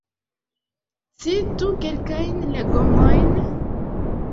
Citu kelkajn legomojn?